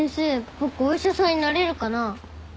僕お医者さんになれるかな？